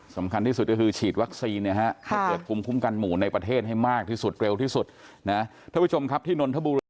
สำคัญที่สุดก็คือฉีดวัคซีนให้เกิดคุมคุมกันหมู่ในประเทศให้มากที่สุดเกราะที่สุด